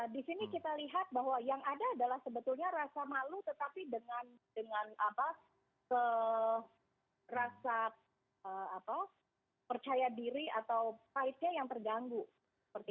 di sini kita lihat bahwa yang ada adalah sebetulnya rasa malu tetapi dengan rasa percaya diri atau pahitnya yang terganggu